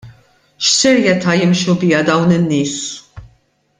X'serjetà jimxu biha dawn in-nies?!